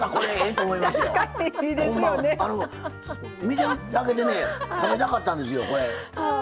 見てるだけでね食べたかったんですよこれ。